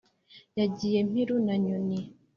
yagiye mpiru na nyoni